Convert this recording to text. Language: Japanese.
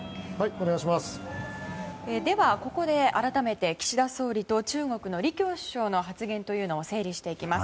ここで改めて岸田総理と中国の李強首相の発言を整理していきます。